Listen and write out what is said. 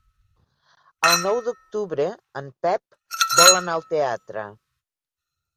El nou d'octubre en Pep vol anar al teatre.